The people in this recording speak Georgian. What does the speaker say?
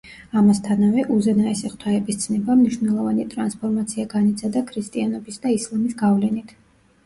ამასთანავე, უზენაესი ღვთაების ცნებამ მნიშვნელოვანი ტრანსფორმაცია განიცადა ქრისტიანობის და ისლამის გავლენით.